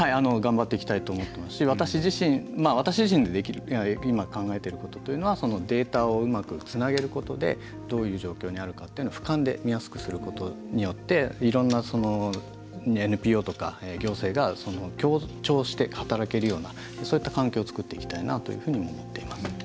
頑張っていきたいと思ってますし、私自身が今、考えていることというのはデータをうまくつなげることでどういう状況にあるかというのをふかんで見やすくすることによっていろんなＮＰＯとか行政が協調して働けるようなそういった環境を作っていきたいというふうにも思っています。